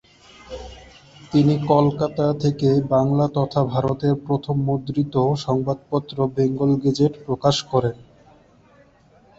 তিনি কলকাতা থেকে বাংলা তথা ভারতের প্রথম মুদ্রিত সংবাদপত্র বেঙ্গল গেজেট প্রকাশ করেন।